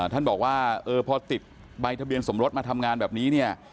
ท่านบอกว่าพอติดใบทะเบียนสมรสมาทำงานแบบนี้เนี่ย